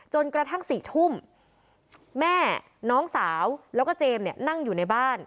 จนกระทั่ง๔ทุ่มแม่น้องสาวแล้วก็เจมส์เนี่ยนั่งอยู่ในบ้าน